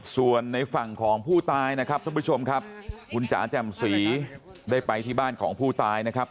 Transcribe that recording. ส่วนในฝั่งของผู้ตายนะครับท่านผู้ชมครับคุณจ๋าแจ่มศรีได้ไปที่บ้านของผู้ตายนะครับ